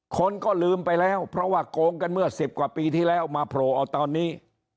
คนก็ลืมไปแล้วเพราะว่าโกงกันเมื่อ๑๐กว่าปีที่แล้วมาโผล่เอาตอนนี้